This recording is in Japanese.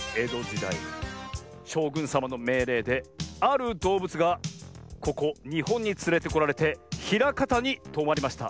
だいしょうぐんさまのめいれいであるどうぶつがここにほんにつれてこられてひらかたにとまりました。